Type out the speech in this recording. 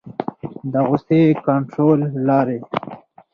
د غصې کنټرول لارې